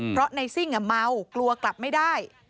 เพราะในซิ่งเมากลัวกลับไม่ได้